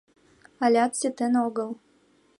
АЛЯТ СИТЕН ОГЫЛ